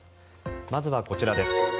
まずはこちらです。